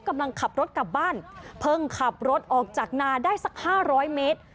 กำลังขับรถกลับบ้านเพิ่งขับรถออกจากนาได้สักห้าร้อยเมตร